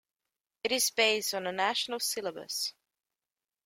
It is based on a national syllabus.